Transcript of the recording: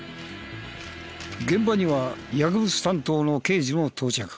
現場には薬物担当の刑事も到着。